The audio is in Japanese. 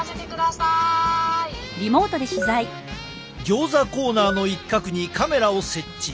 ギョーザコーナーの一角にカメラを設置。